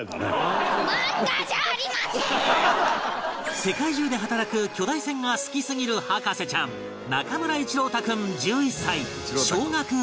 世界中で働く巨大船が好きすぎる博士ちゃん中村一朗太君１１歳小学５年生